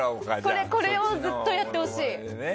これをずっとやってほしい。